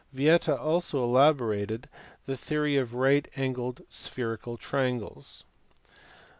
Vieta also elaborated the theory of right angled spherical triangles.